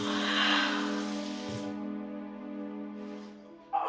saya membersah ini karena